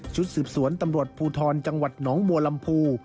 ชุดสืบสวนตำรวจภูทรจังหวัดหนองบัวลำพู